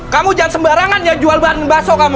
kamu jangan sembarangan ya jual bahan bakso kamu